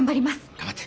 頑張って。